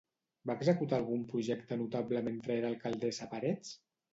Va executar algun projecte notable mentre era alcaldessa a Parets?